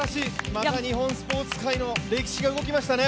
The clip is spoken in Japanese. また日本スポーツ界の歴史が動きましたね。